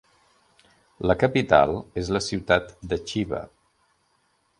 La capital és la ciutat de Chiba.